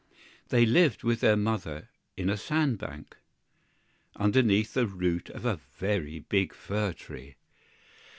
They lived with their Mother in a sand bank, underneath the root of a very big fir tree.